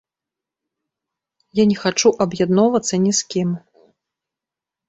Я не хачу аб'ядноўвацца ні з кім.